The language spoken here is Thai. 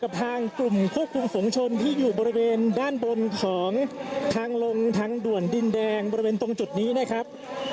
ทางกลุ่มควบคุมฝงชนที่อยู่บริเวณด้านบนของทางลงทางด่วนดินแดงบริเวณตรงจุดนี้นะครับ